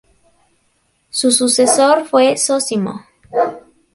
Su sucesor fue Zósimo.